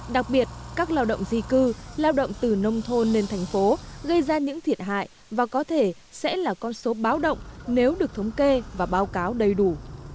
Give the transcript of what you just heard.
đặc biệt các lao động di cư lao động từ nông thôn lên thành phố gây ra những thiệt hại và có thể sẽ là con số báo động nếu được thống kê và báo cáo đầy đủ